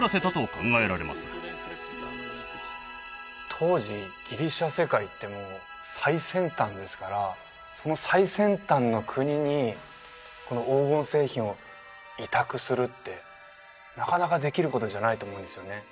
当時ギリシャ世界ってもう最先端ですからその最先端の国にこの黄金製品を委託するってなかなかできることじゃないと思うんですよね